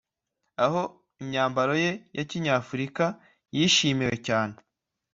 aho imyambaro ye ya kinyafurika yishimiwe cyane